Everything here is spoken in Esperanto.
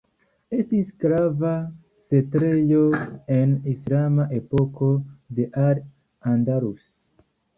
Estis grava setlejo en islama epoko de Al Andalus.